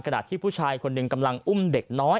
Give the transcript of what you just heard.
ขณะที่ผู้ชายคนหนึ่งกำลังอุ้มเด็กน้อย